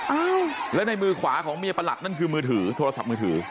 อ้าวแล้วในมือขวาของเมียประหลัดนั่นคือมือถือโทรศัพท์มือถือ